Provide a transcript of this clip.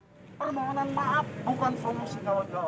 permohonan maaf bukan from usina wadah